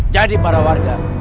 jadi para warga